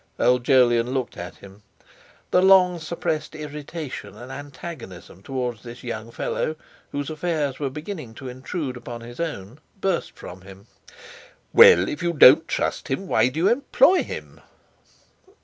Old Jolyon looked at him. The long suppressed irritation and antagonism towards this young fellow, whose affairs were beginning to intrude upon his own, burst from him. "Well, if you don't trust him, why do you employ him?"